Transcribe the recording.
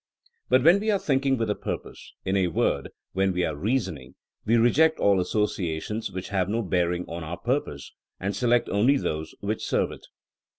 But when we are thinking with a purpose, in a word, when we are reasoning, we reject all as sodations which have no bearing on our pur pose, and select only those which serve it.